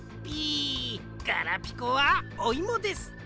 ピガラピコはおいもです。